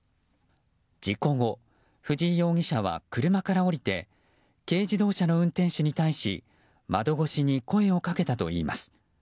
事故後、藤井容疑者は車から降りて軽自動車の運転手に対し窓越しに声をかけたといいます。